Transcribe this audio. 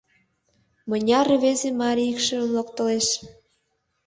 Мыняр рвезе марий икшывым локтылеш.